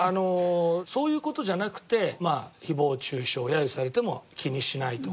そういう事じゃなくて誹謗中傷揶揄されても気にしないとか。